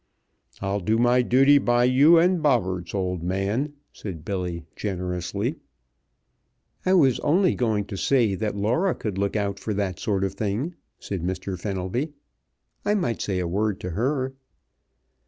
"I'll do my duty by you and Bobberts, old man," said Billy, generously. "I was only going to say that Laura could look out for that sort of thing," said Mr. Fenelby. "I might say a word to her."